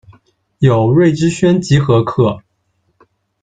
有《瑞芝轩集合刻》。